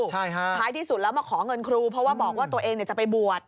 ท้ายที่สุดแล้วมาขอเงินครูเพราะว่าบอกว่าตัวเองจะไปบวช